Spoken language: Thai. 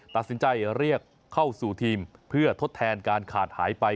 ตัดสินใจเรียกเข้าสู่ทีมเพื่อทดแทนการขาดหายไป